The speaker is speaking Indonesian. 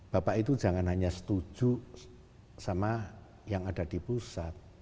bapak itu jangan hanya setuju sama yang ada di pusat